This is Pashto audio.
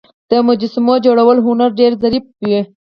د مجسمو جوړولو هنر ډیر ظریف و